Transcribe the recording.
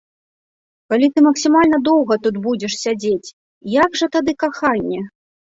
Калі ты максімальна доўга тут будзеш сядзець, як жа тады каханне?